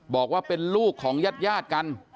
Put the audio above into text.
บอกว่าเป็นลูกของญาติกัน